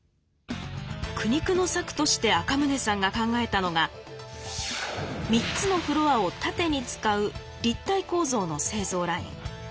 苦肉の策として赤宗さんが考えたのが３つのフロアを縦に使う立体構造の製造ライン。